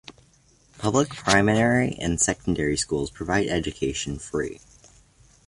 Public primary and secondary schools provide education free.